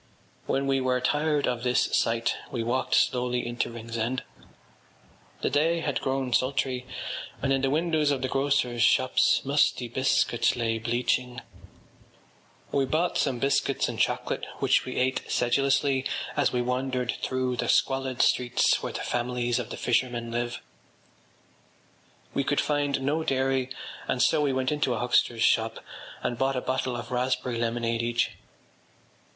” When we were tired of this sight we wandered slowly into Ringsend. The day had grown sultry, and in the windows of the grocers’ shops musty biscuits lay bleaching. We bought some biscuits and chocolate which we ate sedulously as we wandered through the squalid streets where the families of the fishermen live. We could find no dairy and so we went into a huckster’s shop and bought a bottle of raspberry lemonade each.